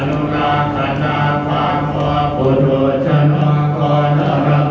สุดท้ายเท่าไหร่สุดท้ายเท่าไหร่